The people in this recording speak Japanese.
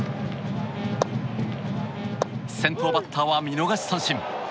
先頭バッターは見逃し三振。